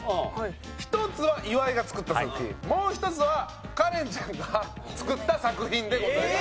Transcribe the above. １つは岩井が作った作品もう１つはカレンちゃんが作った作品でございます。